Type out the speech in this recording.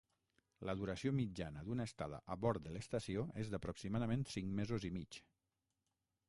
La duració mitjana d'una estada a bord de l'estació és d'aproximadament cinc mesos i mig.